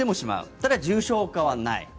ただ、重症化はない。